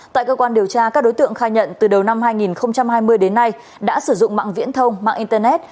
tại cơ quan điều tra các đối tượng khai nhận từ đầu năm hai nghìn hai mươi đến nay đã sử dụng mạng viễn thông mạng internet